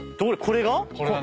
これが？